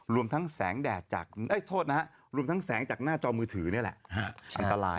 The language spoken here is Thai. รวมทั้งแสงจากหน้าจอมือถือนี่แหละอันตราย